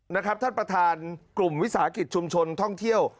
นะครับท่านประธานกลุ่มวิสาหกิจชุมชนท่องเที่ยว